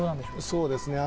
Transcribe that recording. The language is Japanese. そうですね